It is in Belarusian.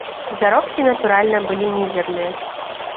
Заробкі, натуральна, былі мізэрныя.